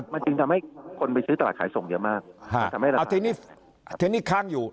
มันจึงทำให้คนไปซื้อตลาดขายส่งเยอะมากทีนี้ค้างอยู่